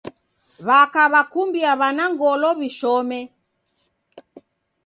W'aka w'akumbia w'ana ngolo w'ishome.